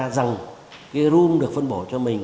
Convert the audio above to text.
rằng cái room được phân bổ cho mình